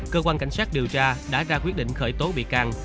cơ quan cảnh sát điều tra đã ra quyết định khởi tố bị can